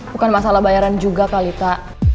bukan masalah bayaran juga kak lita